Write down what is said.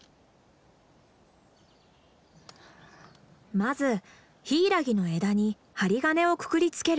まずヒイラギの枝に針金をくくりつける。